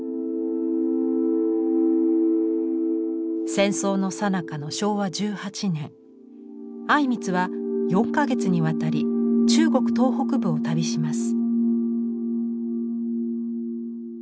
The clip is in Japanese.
戦争のさなかの昭和１８年靉光は４か月にわたり中国東北部を旅します。